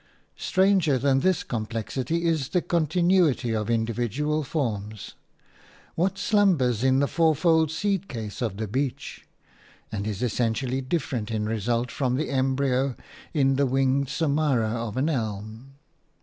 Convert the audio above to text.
Stranger than this complexity is the continuity of individual forms. What slumbers in the fourfold seed case of the beech, and is essentially different in result from the embryo in the winged samara of an elm?